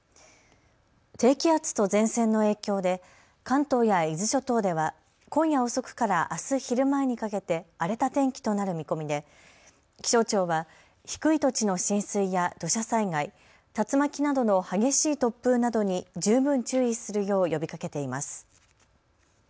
低気圧と前線の影響で関東や伊豆諸島では今夜遅くからあす昼前にかけて荒れた天気となる見込みで気象庁は低い土地の浸水や土砂災害、竜巻などの激しい突風などに十分注意するよう呼びかけています。